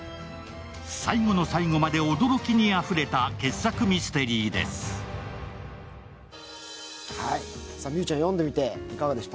最後の最後まで驚きにあふれた傑作ミステリーです。